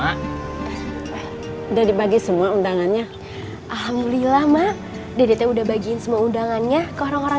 udah dibagi semua undangannya alhamdulillah mak dedet udah bagiin semua undangannya ke orang orang